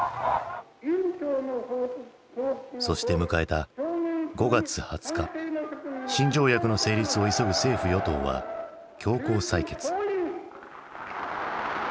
そして迎えた５月２０日新条約の成立を急ぐ政府与党は強行採決。